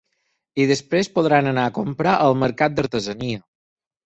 I després podran anar a comprar al mercat d’artesania.